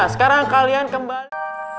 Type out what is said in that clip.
sekarang kalian kembali